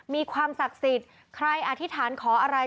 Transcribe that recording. มีความศักดิ์สิทธิ์ใครอธิษฐานขออะไร